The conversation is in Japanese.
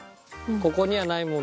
『ここにはないもの』？